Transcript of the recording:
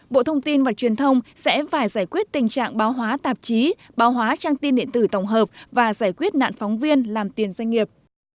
bộ thông tin và truyền thông sẽ phải giải quyết tình trạng báo hóa tạp chí báo hóa trang tin điện tử tổng hợp và giải quyết nạn phóng viên làm tiền doanh nghiệp